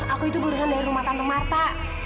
aku itu berurusan dari rumah tante marta